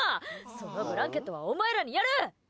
そのブランケットはお前らにやる！